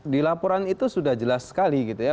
di laporan itu sudah jelas sekali gitu ya